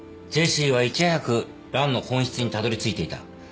ジェシーはいち早くランの本質にたどりついていた。